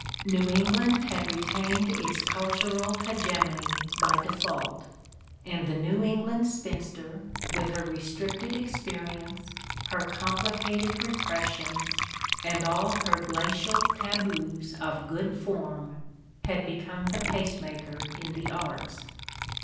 New England had retained its cultural hegemony by default, and the New England spinster, with her restricted experience, her complicated repressions, and all her glacial taboos of good form, had become the pacemaker in the arts.